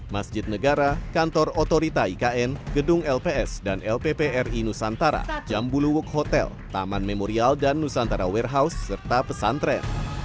masjid negara kantor otorita ikn gedung lps dan lppri nusantara jambuluk hotel taman memorial dan nusantara warehouse serta pesantren